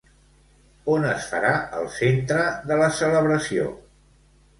On es farà el centre de la celebració?